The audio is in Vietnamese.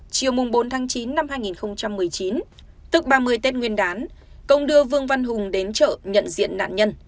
chiều bốn tháng chín năm hai nghìn một mươi chín tức ba mươi tết nguyên đán công đưa vương văn hùng đến chợ nhận diện nạn nhân